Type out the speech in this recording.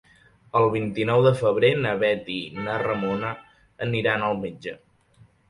El vint-i-nou de febrer na Bet i na Ramona aniran al metge.